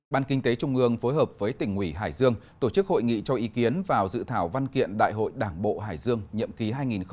ban kinh tế trung ương phối hợp với tỉnh ủy hải dương tổ chức hội nghị cho ý kiến vào dự thảo văn kiện đại hội đảng bộ hải dương nhậm ký hai nghìn hai mươi hai nghìn hai mươi năm